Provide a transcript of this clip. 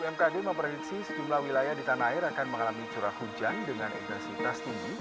bmkg memprediksi sejumlah wilayah di tanah air akan mengalami curah hujan dengan intensitas tinggi